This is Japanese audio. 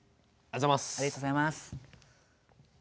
ありがとうございます。